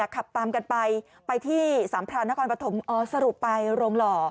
ขับตามกันไปไปที่สัมพลาณกรณกฐมสรุปไปโรงหล่อ